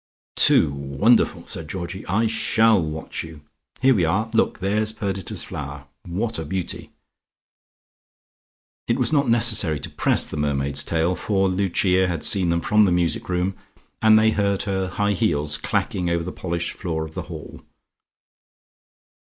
"Too wonderful" said Georgie. "I shall watch you. Here we are. Look, there's Perdita's flower. What a beauty!" It was not necessary to press the mermaid's tail, for Lucia had seen them from the music room, and they heard her high heels clacking over the polished floor of the hall.